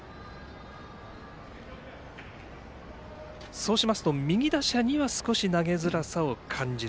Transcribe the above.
そうしますと、右打者には少し投げづらさを感じる。